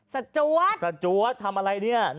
สจ๊อตทำอะไรเนี่ย